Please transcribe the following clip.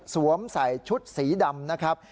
ใส่ชุดสีดำนะครับ